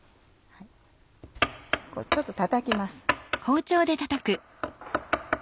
ちょっとたたきます。